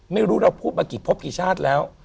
ไม่รู้เราพูดมากี่พบกี่ชาติแล้ว